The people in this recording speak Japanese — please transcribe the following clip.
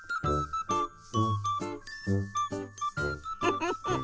フフフフ。